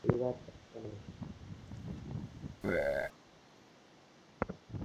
মধ্যপ্রাচ্যে জনশক্তি রপ্তানির বাজার প্রসারে এরশাদ তাঁর ব্যক্তিগত সম্পর্ককে কাজে লাগাবেন বলে জানিয়েছেন।